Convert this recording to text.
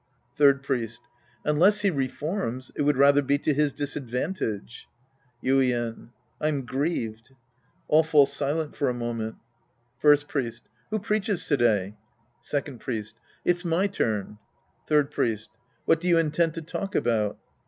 Third Priest. Unless he reforms, it would rather be to his disadvantage. Yiden. I'm grieved. (^Allfall silent for a moment.') First Priest. Who preaches to day ? Second Priest. It's my turn. Third Priest. What do you intend to talk about